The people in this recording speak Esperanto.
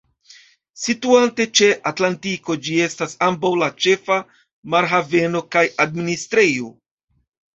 Situante ĉe Atlantiko, ĝi estas ambaŭ la ĉefa marhaveno kaj administrejo.